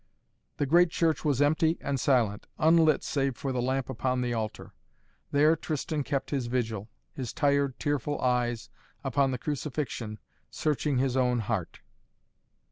The great church was empty and silent, unlit save for the lamp upon the altar. There Tristan kept his vigil, his tired, tearful eyes upon the crucifixion, searching his own heart.